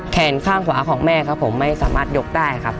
แขนข้างขวาของแม่ครับผมไม่สามารถยกได้ครับ